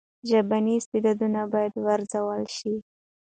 ژبني استعدادونه باید وروزل سي.